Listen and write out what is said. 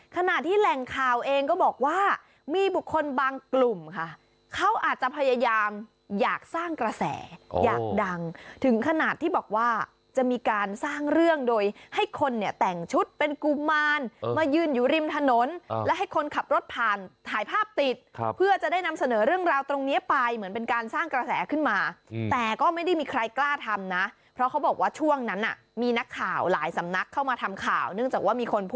ขนาดที่แหล่งข่าวเองก็บอกว่ามีบุคคลบางกลุ่มค่ะเขาอาจจะพยายามอยากสร้างกระแสอยากดังถึงขนาดที่บอกว่าจะมีการสร้างเรื่องโดยให้คนเนี่ยแต่งชุดเป็นกุมารมายืนอยู่ริมถนนและให้คนขับรถผ่านถ่ายภาพติดเพื่อจะได้นำเสนอเรื่องราวตรงนี้ไปเหมือนเป็นการสร้างกระแสขึ้นมาแต่ก็ไม่ได้มีใครกล้าทำนะเพราะเขาบอกว่